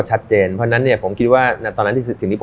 เช่นร้านที่สูงวัดตอนนี้